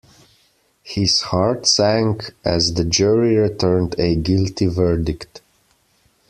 His heart sank as the jury returned a guilty verdict.